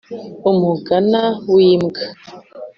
umugana w’imbwa